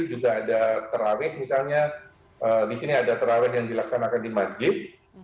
juga ada terawih misalnya di sini ada terawih yang dilaksanakan di masjid